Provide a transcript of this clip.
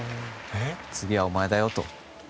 次はお前だよと。